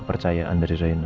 percayaan dari reina